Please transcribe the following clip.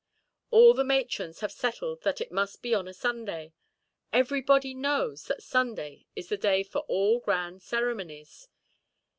All the matrons have settled that it must be on a Sunday; everybody knows that Sunday is the day for all grand ceremonies.